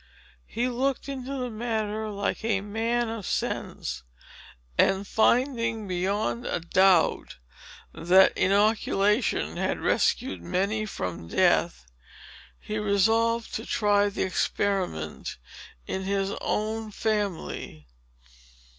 He looked into the matter like a man of sense, and finding, beyond a doubt, that inoculation had rescued many from death, he resolved to try the experiment in his own family.